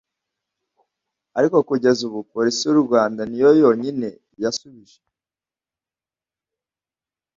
ariko kugeza ubu polisi y'u Rwanda ni yo yonyine yasubije,